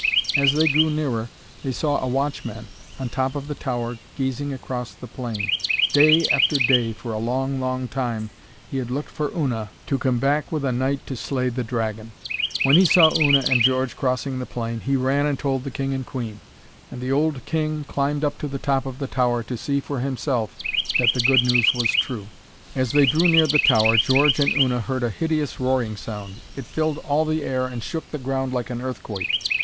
As they drew nearer they saw a watchman on the top of the tower gazing across the plain. Day after day for a long, long time he had looked for Una to come back with a knight to slay the dragon. When he saw Una and George crossing the plain, he ran and told the king and queen, and the old king climbed up to the top of the tower to see for himself that the good news was true. As they drew near the tower, George and Una heard a hideous roaring sound. It filled all the air and shook the ground like an earthquake.